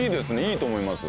いいと思います。